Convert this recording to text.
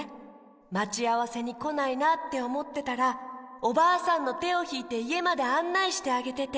まちあわせにこないなっておもってたらおばあさんのてをひいていえまであんないしてあげてて。